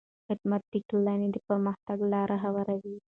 خدمت د ټولنې د پرمختګ لاره هواروي.